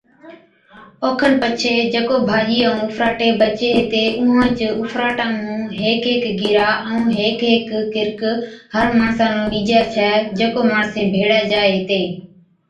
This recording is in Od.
اوکن پڇي جڪو ڀاڄِي ائُون اُڦراٽي بچي ھِتي اُونھانچ اُڦراٽان مُون ھيڪ ھيڪ گرِھا ائُون ھيڪ ھيڪ ڪِرڪ ھر ماڻسا نُون ڏِجَي ڇَي (جڪو ماڻسين ڀيڙي جائي هِتين)